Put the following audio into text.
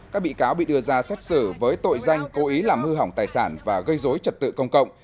các bị cáo bị đưa ra xét xử với tội danh cố ý làm hư hỏng tài sản và gây dối trật tự công cộng